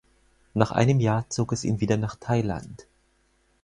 Nach einem Jahr zog es ihn wieder nach Thailand.